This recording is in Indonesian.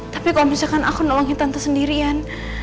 tapi kalau misalkan aku nolongin tante sendirian